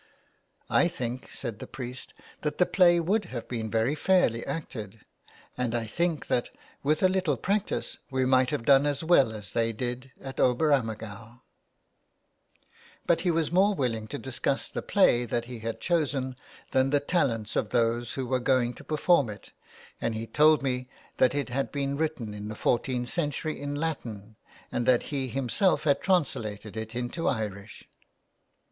I think," said the priest, " that the play would have been very fairly acted, and I think that, with a little practice, we might have done as well as they did at Oberammergau." 232 A PLAY HOUSE IN THE WASTE But he was more willing to discuss the play that he had chosen than the talents of those who were going to perform it, and he told me that it had been written in the fourteenth century in Latin, and that he him self had translated it into Irish.